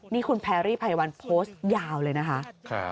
นี่คุณแพรรี่ไพวันโพสต์ยาวเลยนะคะ